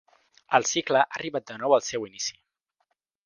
El cicle ha arribat de nou al seu inici.